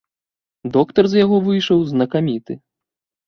Доктар з яго выйшаў знакаміты.